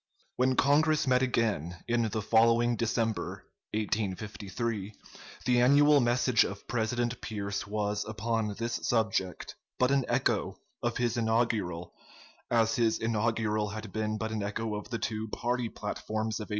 ] When Congress met again in the following December (1853), the annual message of President Pierce was, upon this subject, but an echo of his inaugural, as his inaugural had been but an echo of the two party platforms of 1852.